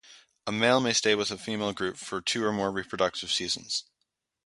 A male may stay with a female group for two or more reproductive seasons.